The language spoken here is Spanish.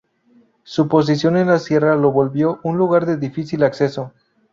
Su posición en la sierra lo volvió un lugar de difícil acceso.